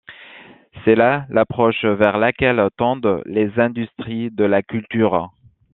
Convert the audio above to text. C’est là l’approche vers laquelle tendent les industries de la culture.